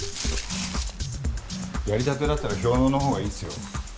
やりたてだったら氷嚢のほうがいいっすよ。